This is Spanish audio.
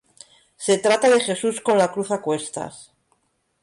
Se trata de Jesús con la cruz a cuestas.